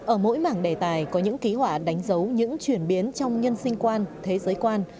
ở mỗi mảng đề tài có những ký họa đánh dấu những chuyển biến trong nhân sinh quan thế giới quan